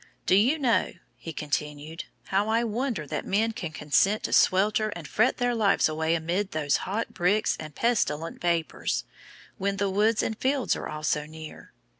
'Do you know,' he continued, 'how I wonder that men can consent to swelter and fret their lives away amid those hot bricks and pestilent vapours, when the woods and fields are all so near?